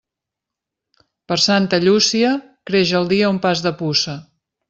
Per Santa Llúcia, creix el dia un pas de puça.